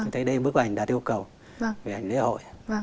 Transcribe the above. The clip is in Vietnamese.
thế đây bức ảnh đạt yêu cầu về hành lễ hội